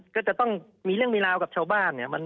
ก็จะต้องมีเรื่องมีราวกับชาวบ้านเนี่ย